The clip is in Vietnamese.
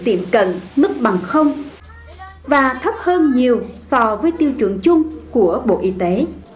tiệm cận mức bằng và thấp hơn nhiều so với tiêu chuẩn chung của bộ y tế